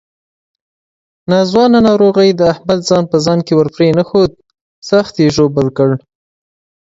ناځوانه ناروغۍ د احمد ځان په ځان کې ورپرېنښود، سخت یې ژوبل کړ.